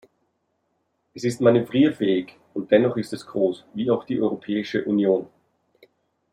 Es ist manövrierfähig, und dennoch ist es groß, wie auch die Europäische Union.